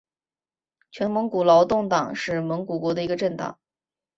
全蒙古劳动党是蒙古国的一个政党。